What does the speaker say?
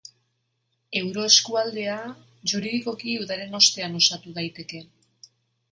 Euroeskualdea juridikoki udaren ostean osatu daiteke.